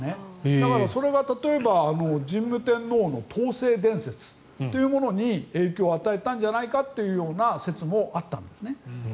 だから、それが例えば神武天皇の東征伝説というものに影響を与えたんじゃないかという説もあったんですね。